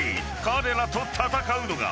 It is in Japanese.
［彼らと戦うのが］